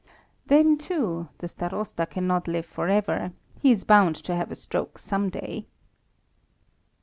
Then, too, the Starosta cannot live for ever; he is bound to have a stroke some day.